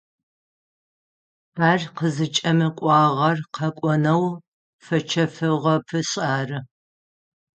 Ар къызыкӏэмыкӏуагъэр къэкӏонэу фэчэфыгъэпышъ ары.